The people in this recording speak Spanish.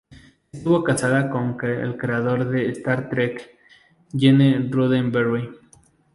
Estuvo casada con el creador de Star Trek, Gene Roddenberry.